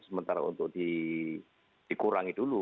sementara untuk dikurangi dulu